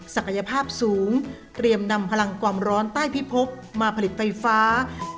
ศักยภาพสูงเตรียมนำพลังความร้อนใต้พิพบมาผลิตไฟฟ้า